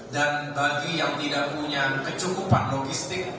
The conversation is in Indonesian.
dan bagi yang tidak punya kecukupan logistik